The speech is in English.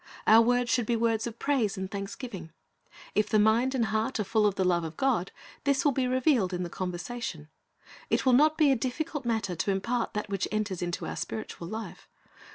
Our words should be words of praise and thanksgiving. If the mind and heart are full of the love of God, this will be revealed in the conversation. It will not be a difficult matter to impart that which enters into our spiritual life.